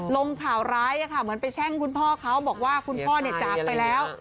ลงข่าวร้ายเหมือนไปแช่งคุณพ่อเขาบอกว่าคุณพ่อจากไปแล้ว